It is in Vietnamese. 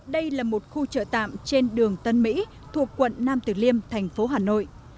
đây là một khu chợ tạm trên đường tân mỹ thuộc quận nam tử liêm thành phố hà nội